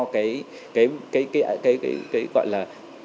cái gọi là